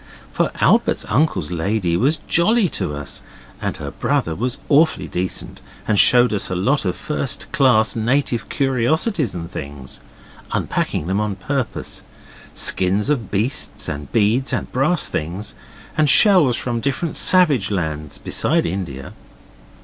For Albert's uncle's lady was very jolly to us, and her brother was awfully decent, and showed us a lot of first class native curiosities and things, unpacking them on purpose; skins of beasts, and beads, and brass things, and shells from different savage lands besides India.